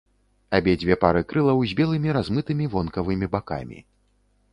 Абедзве пары крылаў з белымі, размытымі вонкавымі бакамі.